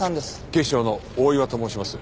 警視庁の大岩と申します。